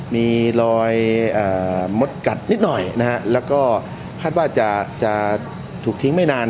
มีรอยมดกัดนิดหน่อยนะฮะแล้วก็คาดว่าจะถูกทิ้งไม่นาน